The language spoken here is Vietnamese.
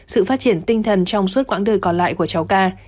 sự phát triển tinh thần trong suốt quãng đời còn lại của cháu ca